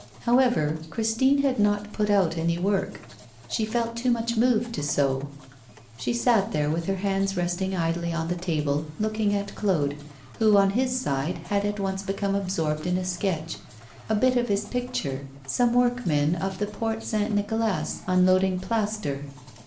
However, Christine had not put out any work, she felt too much moved to sew. She sat there with her hands resting idly on the table, looking at Claude, who on his side had at once become absorbed in a sketch, a bit of his picture, some workmen of the Port Saint Nicolas, unloading plaster.